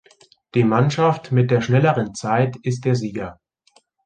Die Mannschaft mit der schnelleren Zeit ist der Sieger.